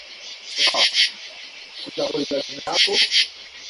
Dalili za ugonjwa wa huu ni ukurutu kwenye ngozi